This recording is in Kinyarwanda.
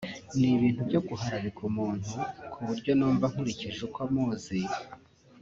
ni ibintu byo guharabika umuntu ku buryo numva nkurikije uko muzi